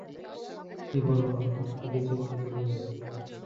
কি বলেন, একটা খেলে কিছু হবেনা।